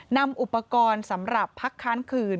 นำอุปกรณ์สำหรับพักค้านคืน